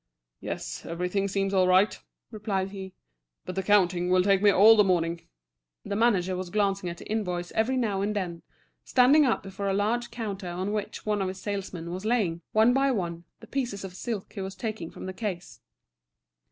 "Yes, everything seems all right," replied he; "but the counting will take me all the morning." The manager was glancing at the invoice every now and then, standing up before a large counter on which one of his salesmen was laying, one by one, the pieces of silk he was taking from the case.